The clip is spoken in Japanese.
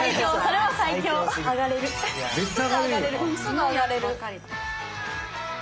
すぐあがれる。